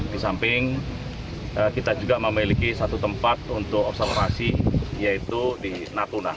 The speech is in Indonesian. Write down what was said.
di samping kita juga memiliki satu tempat untuk observasi yaitu di natuna